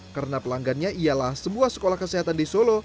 karena pelanggannya ialah sebuah sekolah kesehatan di solo